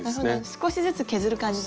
少しずつ削る感じで。